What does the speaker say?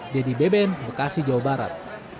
dedy beben bekasi jawa barat